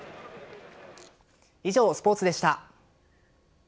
以上、スポーツでした。